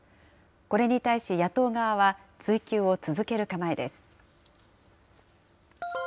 これに対し野党側は、追及を続ける構えです。